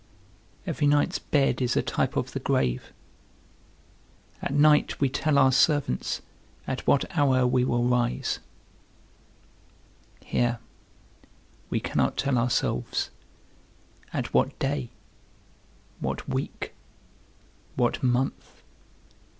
Every night's bed is a type of the grave; at night we tell our servants at what hour we will rise, here we cannot tell ourselves at what day, what week, what month.